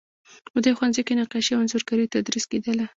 په دې ښوونځي کې نقاشي او انځورګري تدریس کیدله.